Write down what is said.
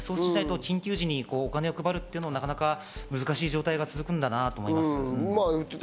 緊急時にお金を配るというのは、なかなか難しい状態が続くんだなと思いました。